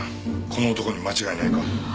この男に間違いないか？